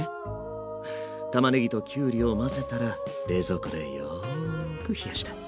たまねぎときゅうりを混ぜたら冷蔵庫でよく冷やして。